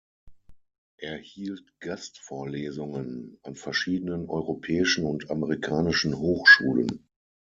Er hielt Gastvorlesungen an verschiedenen europäischen und amerikanischen Hochschulen.